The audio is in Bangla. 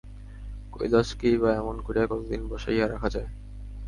কৈলাসকেই বা এমন করিয়া কতদিন বসাইয়া রাখা যায়!